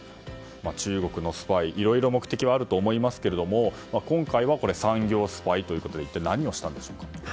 中国のスパイ、いろいろ目的はあると思いますけれども今回は産業スパイということで一体何をしたんでしょうか。